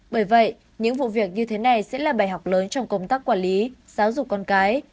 bởi vậy những vụ việc như thế này sẽ là bài học lớn trong công tác quản lý giáo dục con cái